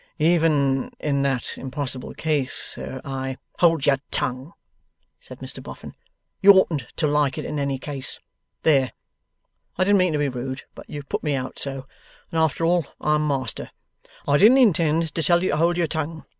'Even in that impossible case, sir, I ' 'Hold your tongue!' said Mr Boffin. 'You oughtn't to like it in any case. There! I didn't mean to be rude, but you put me out so, and after all I'm master. I didn't intend to tell you to hold your tongue.